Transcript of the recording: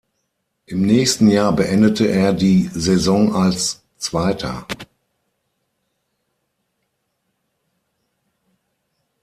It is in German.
Im nächsten Jahr beendete er die Saison als Zweiter.